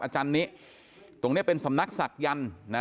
อาจารย์นี้ตรงนี้เป็นสำนักศักยันต์นะ